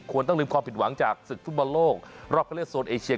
ต้องลืมความผิดหวังจากศึกฟุตบอลโลกรอบเข้าเลือกโซนเอเชีย